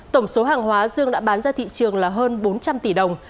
tổng số hàng hóa dương đã bán ra thị trường là hơn bốn trăm linh tỷ đồng